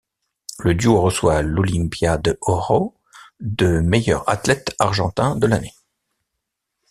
Le duo reçoit l'Olimpia de Oro de meilleurs athlètes argentins de l’année.